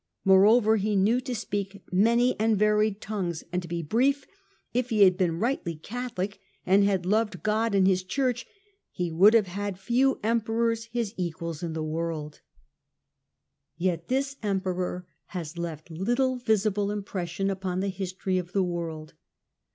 ... Moreover he knew to speak many and varied tongues ; and to be brief, if he had been rightly Catholic and had loved God and His Church, he would have had few Emperors his equals in the world." STUPOR MUNDI 293 Yet this Emperor has left little visible impression upon the history of the world.